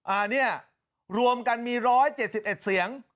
อ่าเนี่ยรวมกันมี๑๗๑เสียง